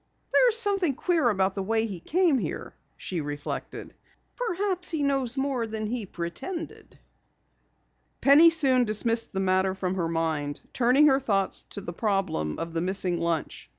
"There's something queer about the way he came here," she reflected. "Perhaps he knows more than he pretended." Penny soon dismissed the matter from her mind, turning her thoughts to the problem of the missing lunch.